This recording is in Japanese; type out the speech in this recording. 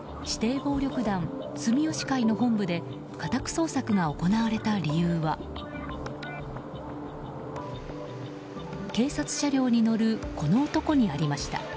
指定暴力団住吉会の本部で家宅捜索が行われた理由は警察車両に乗るこの男にありました。